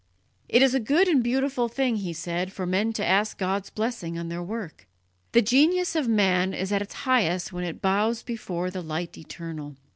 "It is a good and beautiful thing," he said, "for men to ask God's blessing on their work. The genius of man is at its highest when it bows before the Light Eternal.